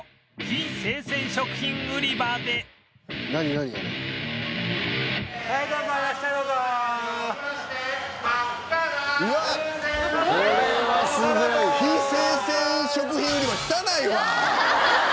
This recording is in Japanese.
非生鮮食品売り場汚いわ。